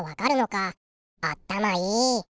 あったまいい！